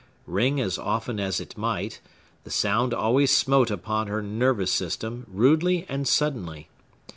Ring as often as it might, the sound always smote upon her nervous system rudely and suddenly.